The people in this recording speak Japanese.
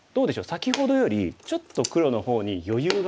先ほどよりちょっと黒の方に余裕がある気しません？